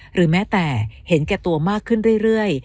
หรือแม้แต่เห็นแก่ตัวมากขึ้นเรื่อย